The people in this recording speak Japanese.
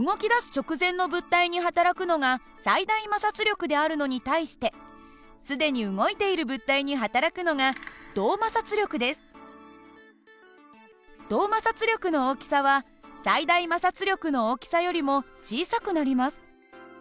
直前の物体にはたらくのが最大摩擦力であるのに対して既に動いている物体にはたらくのが動摩擦力の大きさは最大摩擦力の大きさよりも小さくなります。